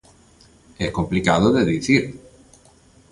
É complicado de dicir.